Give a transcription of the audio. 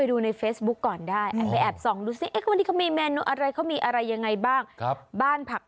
แต่ขนมน่าทานมากเลย